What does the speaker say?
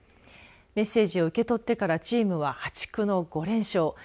メッセージを受け取ってからチームは破竹の５連勝。